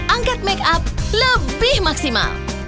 angkat make up lebih maksimal